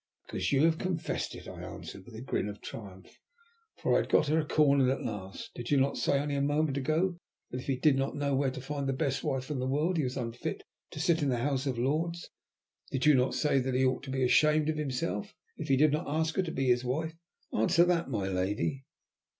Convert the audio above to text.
"Because you have confessed it," I answered with a grin of triumph, for I had got her cornered at last. "Did you not say, only a moment ago, that if he did not know where to find the best wife in the world he was unfit to sit in the House of Lords? Did you not say that he ought to be ashamed of himself if he did not ask her to be his wife? Answer that, my lady."